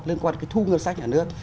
liên quan đến cái thu ngân sách nhà nước